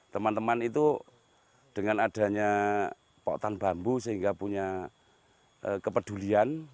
teman teman itu dengan adanya potan bambu sehingga punya kepedulian